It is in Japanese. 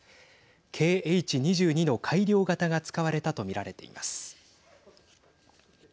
Ｋｈ‐２２の改良型が使われたと見られています。